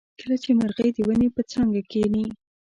کله چې مرغۍ د ونې په څانګه کیني.